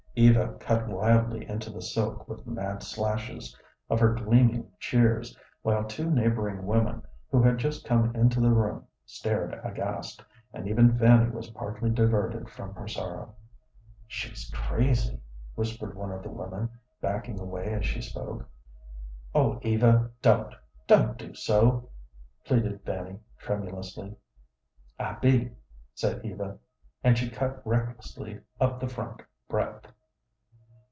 Eva cut wildly into the silk with mad slashes of her gleaming shears, while two neighboring women, who had just come into the room, stared aghast, and even Fanny was partly diverted from her sorrow. "She's crazy," whispered one of the women, backing away as she spoke. "Oh, Eva, don't; don't do so," pleaded Fanny, tremulously. "I be," said Eva, and she cut recklessly up the front breadth.